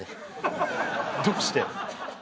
どうして？